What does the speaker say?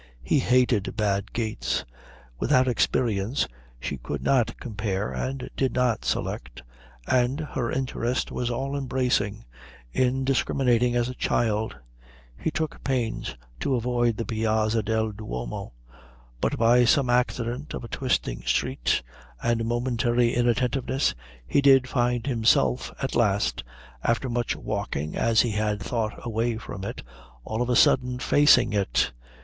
He hated bad gates. Without experience she could not compare and did not select, and her interest was all embracing, indiscriminating as a child's. He took pains to avoid the Piazza del Duomo, but by some accident of a twisting street and a momentary inattentiveness he did find himself at last, after much walking as he had thought away from it, all of a sudden facing it.